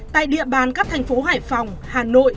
tại địa bàn các thành phố hải phòng hà nội